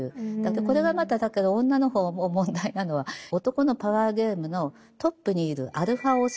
これがまただけど女の方も問題なのは男のパワーゲームのトップにいるアルファオス。